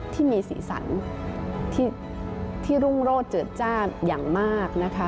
ที่มีสีสันที่รุ่งโรธเจิดจ้าอย่างมากนะคะ